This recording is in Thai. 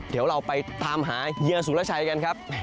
เดี๋ยวเราไปตามหาเฮียสุรชัยกันครับ